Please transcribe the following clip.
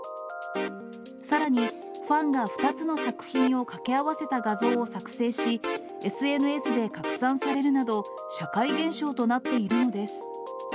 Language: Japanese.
さらに、ファンが２つの作品を掛け合わせた画像を作成し、ＳＮＳで拡散されるなど、社会現象となっているのです。